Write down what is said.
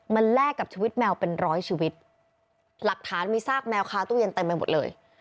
มันแลกกับชีวิตแมวเป็นร้อยชีวิตหลักฐานมีซากแมวคาตู้เย็นเต็มไปหมดเลย